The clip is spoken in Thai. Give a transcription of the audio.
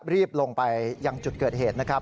รีบลงไปอย่างจุดเกิดเหตุ